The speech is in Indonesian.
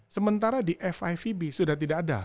sementara di fivb sudah tidak ada